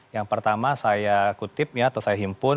yang pertama saya kutip ya atau saya himpun